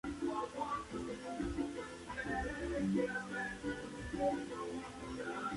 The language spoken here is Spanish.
Varios factores contradicen, sin embargo, un origen temprano.